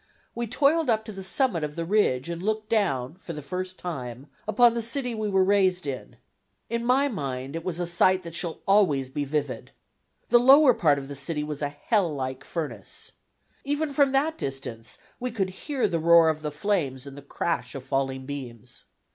We toiled up to the summit of the ridge and looked down for the first time upon the city we were raised in. In my mind, it was a sight that shall always be vivid. The lower part of the city was a hell like furnace. Even from that distance we could hear the roar of the flames and the crash of falling beams.